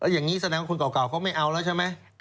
อย่างนี้แสดงว่าคนเก่าเขาไม่เอาแล้วใช่ไหม